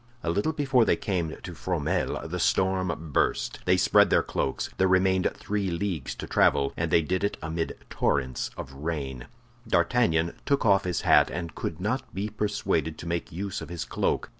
A little before they came to Fromelles the storm burst. They spread their cloaks. There remained three leagues to travel, and they did it amid torrents of rain. D'Artagnan took off his hat, and could not be persuaded to make use of his cloak.